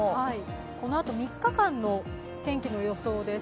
このあと３日間の天気の予想です。